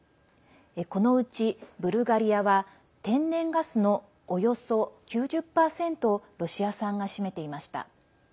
このうち、ブルガリアは天然ガスのおよそ９０％をロシア産が占めていました。